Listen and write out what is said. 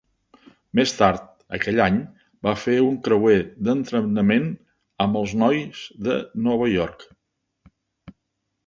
Més tard aquell any, va fer un creuer d'entrenament amb nois de Nova York.